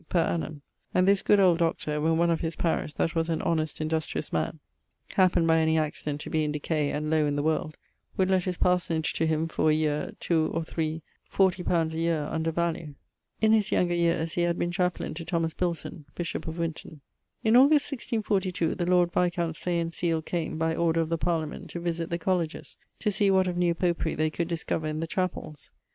per annum, and this good old Doctor, when one of his parish, that was an honest industrious man, happened by any accident to be in decay and lowe in the world, would let his parsonage to him for a yeare, two, or three, fourty pounds a yeare under value. In his younger yeares he had been chaplain to Bilson, bishop of Winton. In August, 1642, the lord viscount Say and Seale came (by order of the Parliament) to visit the colleges, to see what of new Popery they could discover in the chapells.